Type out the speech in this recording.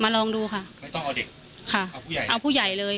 ลองดูค่ะไม่ต้องเอาเด็กค่ะเอาผู้ใหญ่เอาผู้ใหญ่เลย